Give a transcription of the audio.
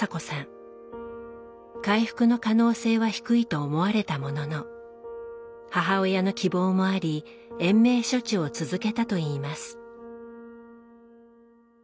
回復の可能性は低いと思われたものの母親の希望もあり延命処置を続けたといいます。